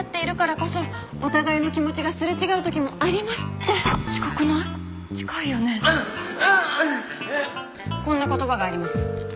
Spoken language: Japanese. こんな言葉があります。